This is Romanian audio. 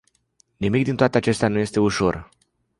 Nimic din toate acestea nu este ușor.